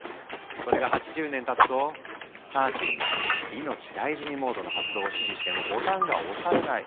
それが８０年たつとサーチュインが「いのちだいじにモード」の発動を指示してもボタンが押されない。